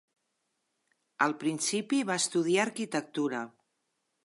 Al principi va estudiar arquitectura.